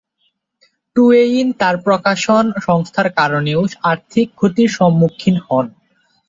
Twain তার প্রকাশন সংস্থার কারণেও আর্থিক ক্ষতির সম্মুখীন হন।